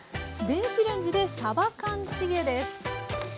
電子レンジでさば缶チゲです。